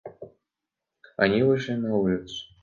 Они вышли на улицу.